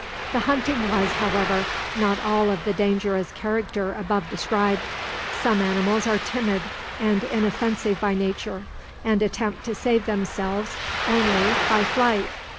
The hunting was, however, not all of the dangerous character above described. Some animals are timid and inoffensive by nature, and attempt to save themselves only by flight.